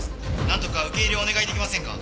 何とか受け入れをお願いできませんか？